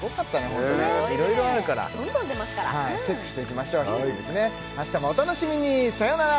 ホントにいろいろあるからどんどん出ますからはいチェックしていきましょう明日もお楽しみにさよなら！